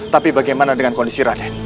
tapi bagaimana dengan kondisi raden